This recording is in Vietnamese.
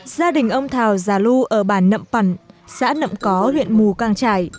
gia đình ông thảo già lu ở bàn nậm phẳng xã nậm có huyện mù cang trải